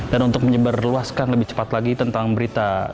dan untuk menyebarluaskan lebih cepat lagi tentang berita